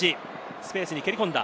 スペースに蹴り込んだ。